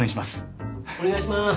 お願いします。